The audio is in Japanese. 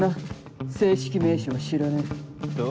正式名称は知らねえ。